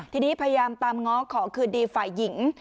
ทีนี้พยายามตามง้อขอคืนดีฝ่ายหญิง